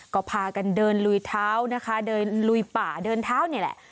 ก็พากันเดินลุยเท้านะคะเดินลุยป่าเดินเท้านี่แหละ